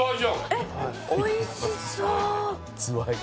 えっ美味しそう！